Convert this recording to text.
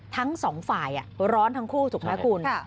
ทั้งสองฝ่ายร้อนทั้งคู่ถูกไหมคุณ